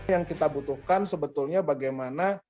yang kita butuhkan sebetulnya bagaimana